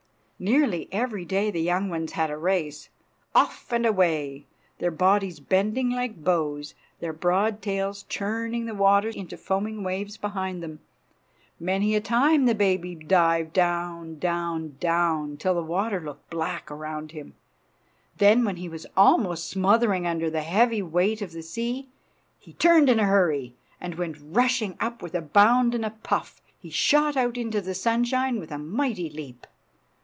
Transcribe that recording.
Nearly every day the young ones had a race. Off and away! their bodies bending like bows, their broad tails churning the water into foaming waves behind them. Many a time the baby dived down, down, down, till the water looked black around him. Then, when he was almost smothering under the heavy weight of the sea, he turned in a hurry, and went rushing up with a bound and a puff. He shot out into the sunshine with a mighty leap.